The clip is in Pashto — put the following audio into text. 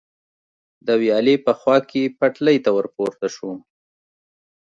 د ویالې په خوا کې پټلۍ ته ور پورته شو.